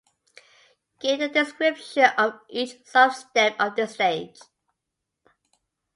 Give a description of each sub-step of this stage.